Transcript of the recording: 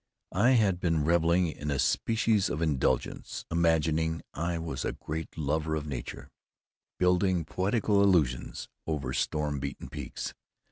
I had been reveling in a species of indulgence, imagining I was a great lover of nature, building poetical illusions over storm beaten peaks.